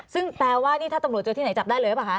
ซึ่งแปลว่านี่ถ้าตำรวจเจอที่ไหนจับได้เลยหรือเปล่าคะ